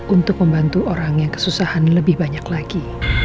untuk membantu orang yang kesusahan lebih banyak lagi